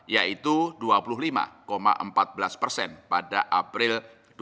yaitu dua puluh lima empat belas persen pada april dua ribu dua puluh